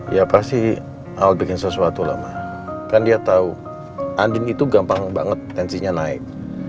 ya pasti al bikin sesuatu lama kan dia tahu andin itu gampang banget tensinya naik